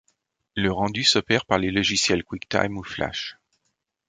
Le rendu s'opère par les logiciels QuickTime ou Flash.